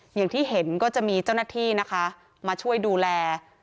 อย่างที่เห็นก็จะมีเจ้าหน้าที่นะคะมาช่วยดูแล